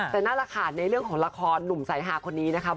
แต่นั่นแหละค่ะในเรื่องของละครหนุ่มสายหาคนนี้นะคะ